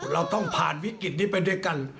เราต้องผ่านวิกฤตนี้ไปด้วยกัน